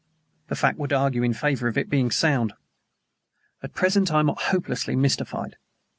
The fact would argue in favor of its being sound." "At present I am hopelessly mystified."